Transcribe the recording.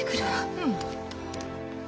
うん。